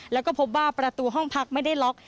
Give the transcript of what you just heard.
แล้วก็พบว่าประตูห้องพักไม่ได้ล็อก